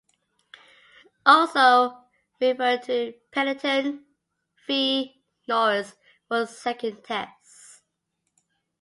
Also refer to "Pennington v Norris" for second test.